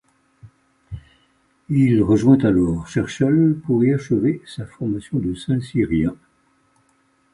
Il rejoint alors Cherchell pour y achever sa formation de Saint-Cyrien.